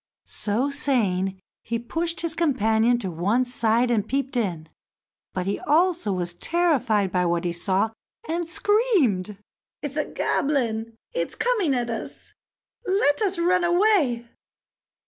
So saying, he pushed his companion to one side and peeped in, but he also was terrified by what he saw, and screamed: "It's a goblin! It's coming at us; let us run away!"